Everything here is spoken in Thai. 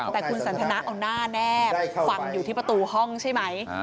แต่คุณสันทนาเอาหน้าแนบฝั่งอยู่ที่ประตูห้องใช่ไหม